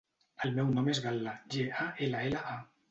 El meu nom és Gal·la: ge, a, ela, ela, a.